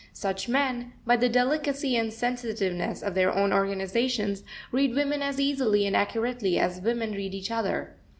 Such men, by the delicacy and sensitiveness of their own organizations, read women as easily and accurately as women read each other.